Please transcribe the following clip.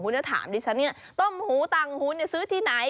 คุณจะถามดิฉันเนี่ยต้มหูต่างหูซื้อที่ไหน